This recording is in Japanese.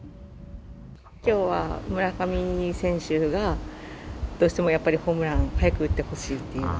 きょうは、村上選手が、どうしてもやっぱりホームラン、早く打ってほしいと。